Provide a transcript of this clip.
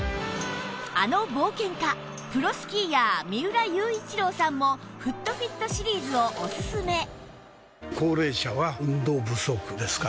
あの冒険家・プロスキーヤー三浦雄一郎さんもフットフィットシリーズをおすすめ